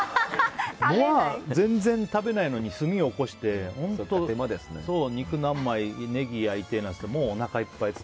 まあ全然食べないのに炭おこして肉何枚、ネギ焼いてなんてやってるともうおなかいっぱいって。